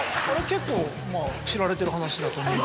結構知られてる話だと思うんですけど。